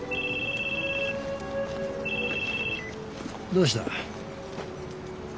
どうした？